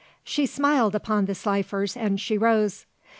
She smiled upon the Slifers and she rose.